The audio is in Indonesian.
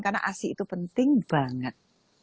karena asi itu penting banget